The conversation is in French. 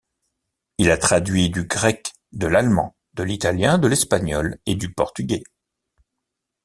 Il a traduit du grec, de l'allemand, de l'italien, de l'espagnol et du portugais.